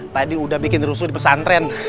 tadi udah bikin rusuh di pesantren